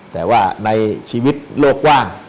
แต่ว่าในชีวิตโลกกว้าง